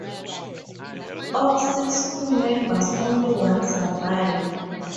Of six crew members, only one survived.